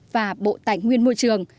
và bộ tài nguyên môi trường